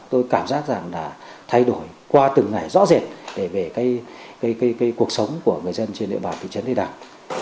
tôi cảm giác rằng là thay đổi qua từng ngày rõ rệt về cái cuộc sống của người dân trên địa bàn phía chấn đề đảng